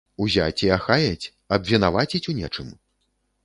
Узяць і ахаяць, абвінаваціць у нечым?